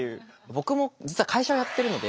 僕も実は会社をやってるので。